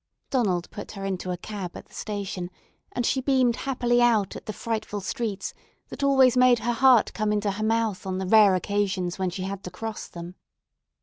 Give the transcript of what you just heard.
Donald put her into a cab at the station, and she beamed happily out at the frightful streets that always made her heart come into her mouth on the rare occasions when she had to cross them.